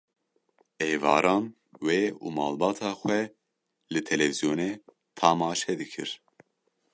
Êvaran, wê û malbata xwe li televizyonê tamaşe dikir.